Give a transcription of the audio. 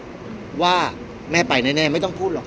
พี่อัดมาสองวันไม่มีใครรู้หรอก